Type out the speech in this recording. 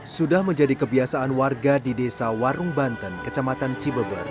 sudah menjadi kebiasaan warga di desa warung banten kecamatan cibeber